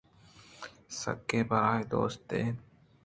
سکّیں بلاہیں دوست اِتنت